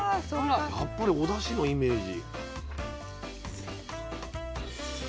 やっぱりおだしのイメージ。